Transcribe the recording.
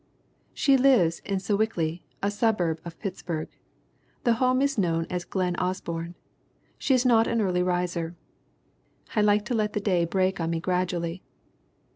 She lives in Sewickley, a suburb of Pittsburgh. The home is known as Glen Osborne. She is not an early riser. "I like to let the day break on me gradually."